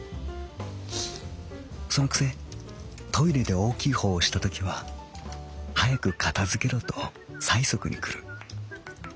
「そのくせトイレで大きいほうをしたときは早く片づけろと催促にくる」。